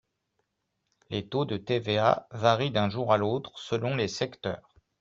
Les taux de TVA varient d’un jour à l’autre selon les secteurs.